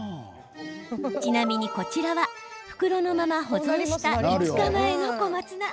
ちなみに、こちらは袋のまま保存した５日前の小松菜。